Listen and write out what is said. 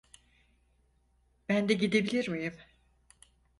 Ben de gidebilir miyim?